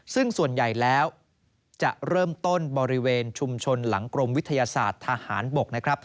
ซึ่งส่วนใหญ่แล้วจะเริ่มต้นบริเวณชุมชนหลังกรมวิทยาศาสตร์ทหารบกนะครับ